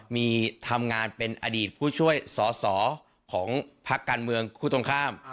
มีทำงานเป็นอดีตผู้ช่วยสอสอของพักการเมืองคู่ตรงข้าม